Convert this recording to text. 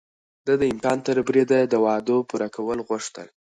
ده د امکان تر بريده د وعدو پوره کول غوښتل.